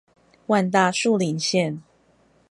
萬大樹林線